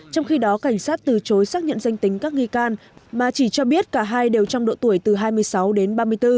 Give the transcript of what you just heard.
trong khi đó cảnh sát từ chối xác nhận danh tính các nghi can mà chỉ cho biết cả hai đều trong độ tuổi từ hai mươi sáu đến ba mươi bốn